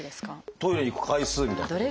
トイレに行く回数みたいなことですか？